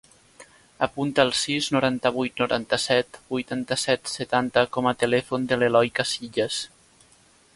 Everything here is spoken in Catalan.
Apunta el sis, noranta-vuit, noranta-set, vuitanta-set, setanta com a telèfon de l'Eloi Casillas.